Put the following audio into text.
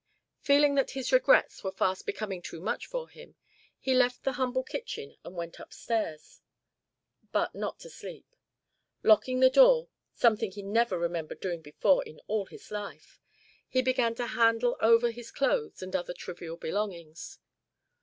Feeling that his regrets were fast becoming too much for him, he left the humble kitchen and went up stairs. But not to sleep. Locking the door (something he never remembered doing before in all his life), he began to handle over his clothes and other trivial belongings.